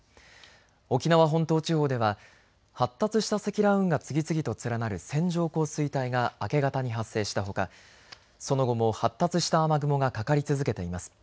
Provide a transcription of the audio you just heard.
沖縄本島地方では発達した積乱雲が次々と連なる線状降水帯が明け方に発生したほかその後も発達した雨雲がかかり続けています。